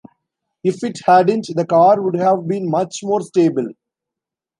If it hadn't, the car would have been much more stable.